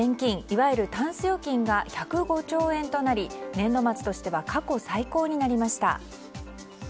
いわゆるタンス預金が１０５兆円となり年度末としては過去最高になりました。